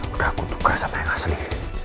udah aku buka sama yang asli